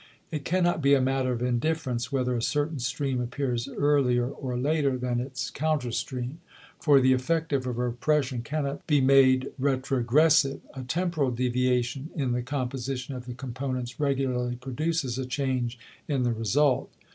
It cannot be a matter of indifference whether a certain stream appears earlier or later than its counterstream, for the effect of a repression cannot be made retrogressive; a temporal deviation in the composition of the components regularly produces a change in the result.